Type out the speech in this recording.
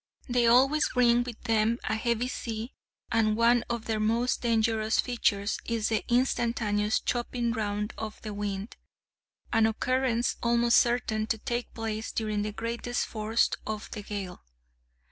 They always bring with them a heavy sea, and one of their most dangerous features is the instantaneous chopping round of the wind, an occurrence almost certain to take place during the greatest force of the gale.